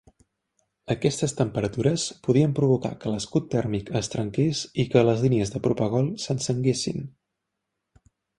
Aquestes temperatures podien provocar que l'escut tèrmic es trenqués i que les línies de propegol s'encenguessin.